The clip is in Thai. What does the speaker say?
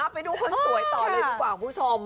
ไปดูคนสวยต่อดีกว่าคุณคุณสมครับ